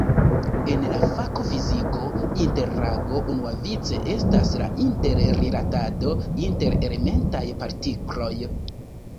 En la fako fiziko "interago" unuavice estas la inter-rilatado inter elementaj partikloj.